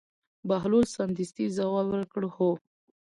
بهلول سمدستي ځواب ورکړ: هو.